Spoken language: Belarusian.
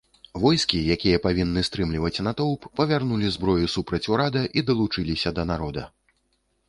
Войскі, якія павінны стрымліваць натоўп, павярнулі зброю супраць урада і далучыліся да народа.